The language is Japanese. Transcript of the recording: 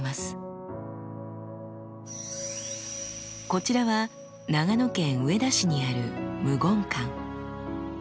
こちらは長野県上田市にある無言館。